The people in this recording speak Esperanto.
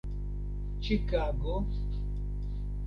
ĉikago